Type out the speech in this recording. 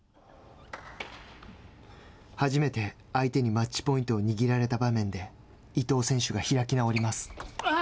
初めて相手にマッチポイントを握られた場面で伊藤選手が開き直ります。